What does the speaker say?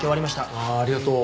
ありがとう。